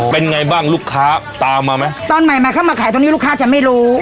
เป็นไงบ้างลูกค้าตามมาไหมตอนใหม่มาเข้ามาขายตรงนี้ลูกค้าจะไม่รู้